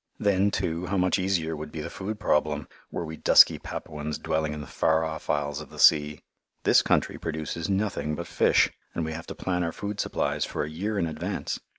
Then, too, how much easier would be the food problem were we dusky Papuans dwelling in the far off isles of the sea. This country produces nothing but fish, and we have to plan our food supplies for a year in advance.